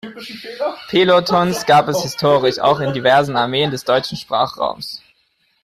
Pelotons gab es historisch auch in diversen Armeen des deutschen Sprachraums.